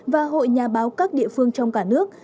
và hội nhà báo các địa phương trong cả nước